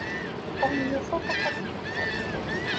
Tom yufa takaskiṭ-is.